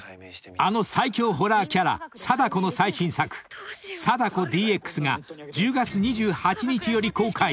あの最恐ホラーキャラ貞子の最新作『貞子ＤＸ』が１０月２８日より公開］